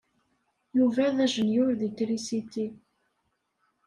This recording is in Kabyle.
Yuba d ajenyuṛ deg trisiti.